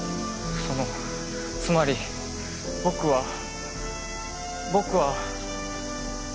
そのつまり僕は僕は。